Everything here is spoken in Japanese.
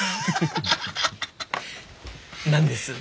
何です？